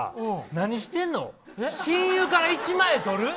何してんの、親友から１万円取る。